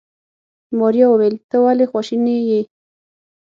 ماريا وويل ته ولې خواشيني يې.